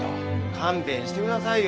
勘弁してくださいよ。